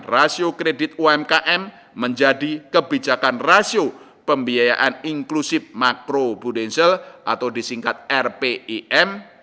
rasio kredit umkm menjadi kebijakan rasio pembiayaan inklusif makro prudensial atau disingkat rpm